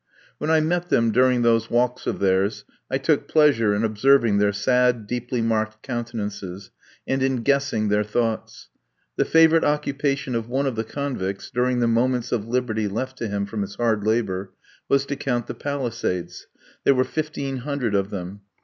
When I met them during those walks of theirs, I took pleasure in observing their sad, deeply marked countenances, and in guessing their thoughts. The favourite occupation of one of the convicts, during the moments of liberty left to him from his hard labour, was to count the palisades. There were fifteen hundred of them.